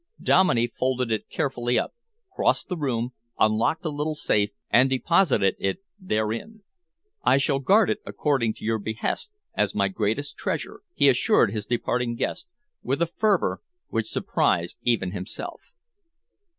Dominey folded it carefully up, crossed the room, unlocked a little safe and deposited it therein. "I shall guard it, according to your behest, as my greatest treasure," he assured his departing guest, with a fervour which surprised even himself.